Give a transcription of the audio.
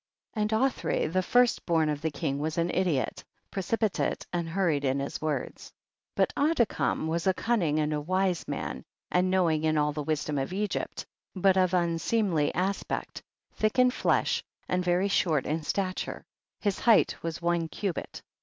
52. And Othri the first born of the king was an idiot, precipitate and hurried in his words. 53. But Adikam was a cunning and a wise man and knowing in all the wisdom of Egypt, but of un seemly aspect, thick in flesh, and very short in stature ; his height was one cubit.